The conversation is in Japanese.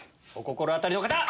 お心当たりの方！